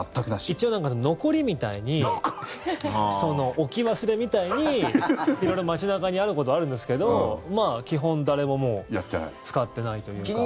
一応、残りみたいに置き忘れみたいに色々街中にあることはあるんですけど基本、誰も使ってないというか。